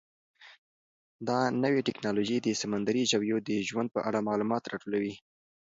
دا نوې ټیکنالوژي د سمندري ژویو د ژوند په اړه معلومات راټولوي.